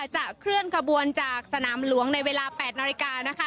จะเคลื่อนขบวนจากสนามหลวงในเวลา๘นาฬิกานะคะ